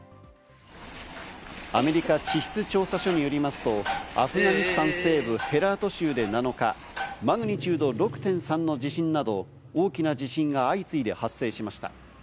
アメリカ地質調査所によりますと、アフガニスタン西部ヘラート州で７日、マグニチュード６．３の地震など大きな地震が相次いで発生しました。